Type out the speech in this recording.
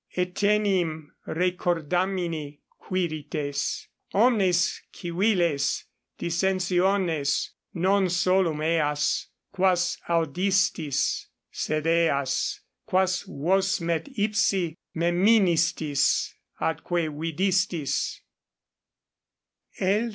Etenim recordamini, Quirites, omnes civiles 24 dissensiones, non solum eas, quas audistis, sed eas, quas vosmet ipsi meministis atque vidistis. L.